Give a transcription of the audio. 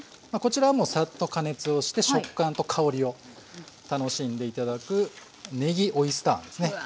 こちらはもうさっと加熱をして食感と香りを楽しんで頂くねぎオイスターあんですね。